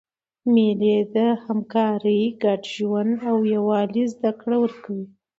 مېلې د همکارۍ، ګډ ژوند او یووالي زدهکړه ورکوي.